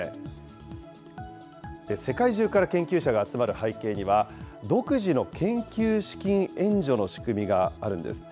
世界中から研究者が集まる背景には、独自の研究資金援助の仕組みがあるんです。